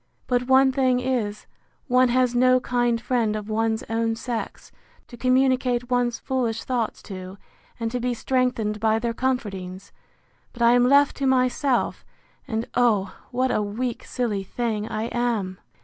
—But one thing is, one has no kind friend of one's own sex, to communicate one's foolish thoughts to, and to be strengthened by their comfortings! But I am left to myself; and, oh! what a weak silly thing I am!